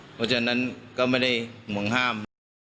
เพราะฉะนั้นก็ไม่ได้ห่วงห้าม